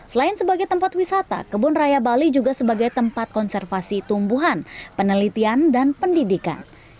selain sebagai tempat wisata kebun raya bali juga sebagai tempat konservasi tumbuhan penelitian dan pendidikan